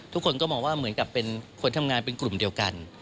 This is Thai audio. ทุกคนก็มองว่าเหมือนกับเป็นคนทำงานเป็นกลุ่มเดียวกัน